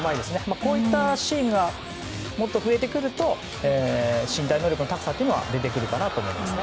こういったシーンがもっと増えてくると身体能力の高さが出てくると思います。